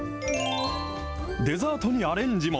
デザートにアレンジも。